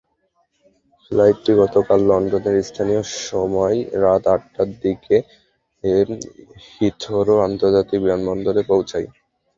ফ্লাইটটি গতকাল লন্ডনের স্থানীয় সময় রাত আটটার দিকে হিথরো আন্তর্জাতিক বিমানবন্দরে পৌঁছায়।